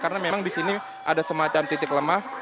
karena memang disini ada semacam titik lemah